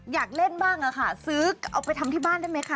อยากเล่นบ้างค่ะซื้อเอาไปทำที่บ้านได้ไหมคะ